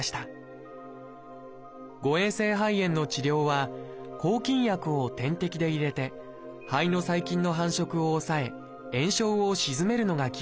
誤えん性肺炎の治療は抗菌薬を点滴で入れて肺の細菌の繁殖を抑え炎症を鎮めるのが基本です。